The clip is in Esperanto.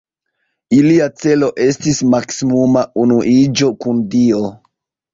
Ilia celo estis maksimuma unuiĝo kun Dio.